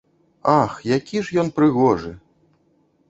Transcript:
Ах, які ж ён прыгожы!